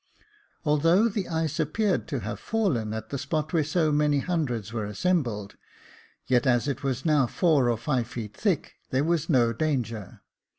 Although the ice ap peared to have fallen at the spot where so many hundreds were assembled, yet as it was now four or five feet thick, there was no danger.